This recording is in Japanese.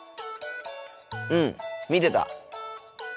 うん見てた。